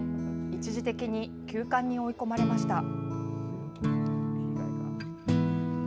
一時的に休館に追い込まれました。